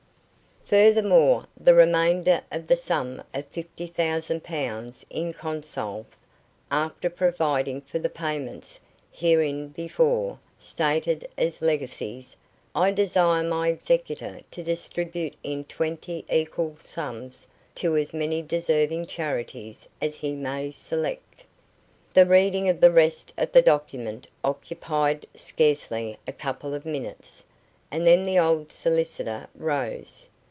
"Furthermore, the remainder of the sum of fifty thousand pounds in Consols, after providing for the payments hereinbefore stated as legacies, I desire my executor to distribute in twenty equal sums to as many deserving charities as he may select." The reading of the rest of the document occupied scarcely a couple of minutes, and then the old solicitor rose.